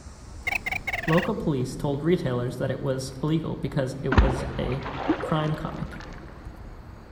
Local police told retailers that it was illegal because it was a "crime comic".